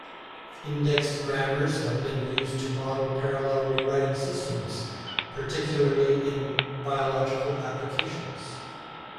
Indexed grammars have been used to model parallel rewriting systems, particularly in biological applications.